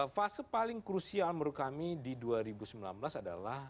fase paling krusial menurut kami di dua ribu sembilan belas adalah